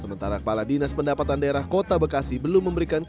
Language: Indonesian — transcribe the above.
sementara kepala dinas pendapatan daerah kota bekasi belum memberikan